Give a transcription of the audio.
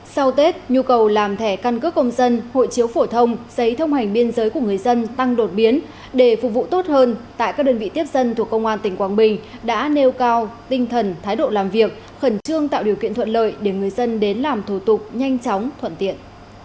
sau tết nhu cầu làm thẻ căn cước công dân hội chiếu phổ thông giấy thông hành biên giới của người dân tăng đột biến để phục vụ tốt hơn tại các đơn vị tiếp dân thuộc công an tỉnh quảng bình đã nêu cao tinh thần thái độ làm việc khẩn trương tạo điều kiện thuận lợi để người dân đến làm thủ tục nhanh chóng thuận tiện